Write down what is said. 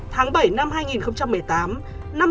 tháng bảy năm hai nghìn một mươi tám